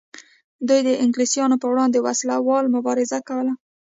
دوی د انګلیسانو پر وړاندې وسله واله مبارزه کوله.